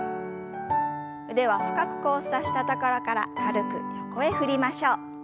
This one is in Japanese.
腕は深く交差したところから軽く横へ振りましょう。